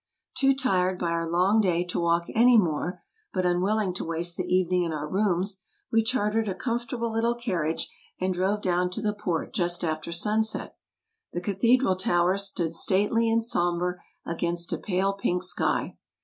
Too tired by our long day to walk any more, but un willing to waste the evening in our rooms, we chartered a comfortable little carriage and drove down to the Port just after sunset. The cathedral tower stood stately and sombre against a pale pink sky.